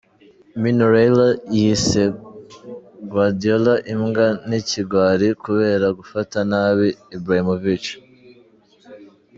Mino Raiola yise Guardiola imbwa n’ikigwari kubera gufata nabi Ibrahimovic.